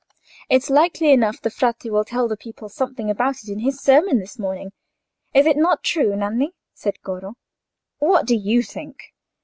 "It's likely enough the Frate will tell the people something about it in his sermon this morning; is it not true, Nanni?" said Goro. "What do you think?"